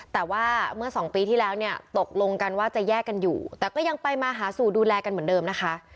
แต่ว่าเมื่อสองปีที่แล้วเนี่ยตกลงกันว่าจะแยกกันอยู่แต่ก็ยังไปมาหาสู่ดูแลกันเหมือนเดิมนะคะ